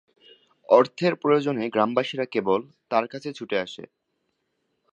অর্থের প্রয়োজনে গ্রামবাসীরা কেবল তার কাছে ছুটে আসে।